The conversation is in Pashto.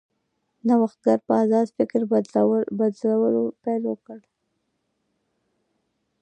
نوښتګر په ازاد فکر کولو پیل کوي.